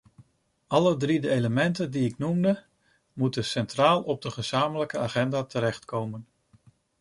Alle drie de elementen die ik noemde, moeten centraal op de gezamenlijke agenda terechtkomen.